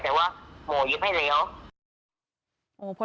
แต่ว่าหมอเย็บให้แล้ว